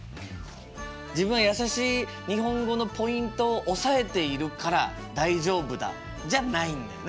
自分はやさしい日本語のポイントを押さえているから大丈夫だじゃないんだよね。